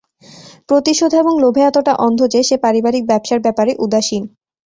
প্রতিশোধ এবং লোভে এতটা অন্ধ যে, সে পারিবারিক ব্যবসার ব্যপারে উদাসীন।